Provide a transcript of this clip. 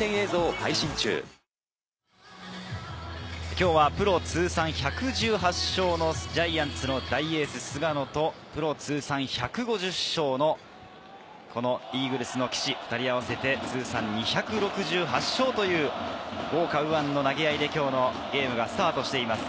今日はプロ通算１１８勝のジャイアンツの大エース・菅野と、プロ通算１５０勝のイーグルスの岸、２人合わせて通算２６８勝という豪華右腕の投げ合いで今日のゲームがスタートしています。